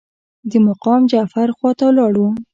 د مقام جعفر خواته لاړو.